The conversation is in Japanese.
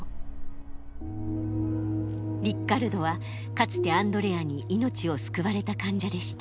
リッカルドはかつてアンドレアに命を救われた患者でした。